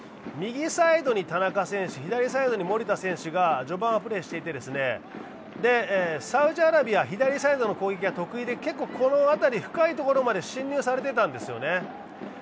右サイドに田中選手、左サイドに森田選手が序盤はプレーしていて、サウジアラビア、左サイドの攻撃が結構得意で、結構、この辺り、深いところまで進入されてたんですよね。